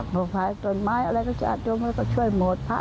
ผลายตรนไม้อะไรก็จ้ะทุกแล้วก็ช่วยหมวดพระ